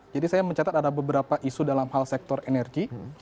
jadi saya mencatat ada beberapa isu dalam hal sektor energi